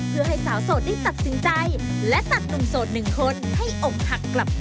เอาน้องไอซ์ก็ได้ค่ะคนแรก